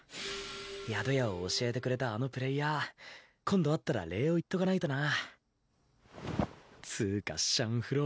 宿屋を教えてくれたあのプレイヤー今度会ったら礼を言っとかないとな。